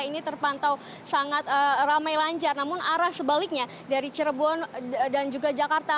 ini terpantau sangat ramai lancar namun arah sebaliknya dari cirebon dan juga jakarta